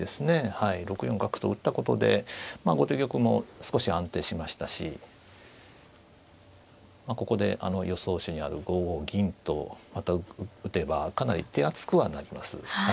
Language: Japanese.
６四角と打ったことで後手玉も少し安定しましたしここで予想手にある５五銀とまた打てばかなり手厚くはなります。